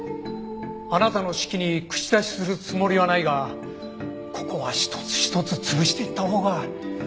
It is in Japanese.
あなたの指揮に口出しするつもりはないがここは一つ一つ潰していったほうが。